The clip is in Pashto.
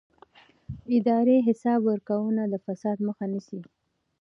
اداري حساب ورکونه د فساد مخه نیسي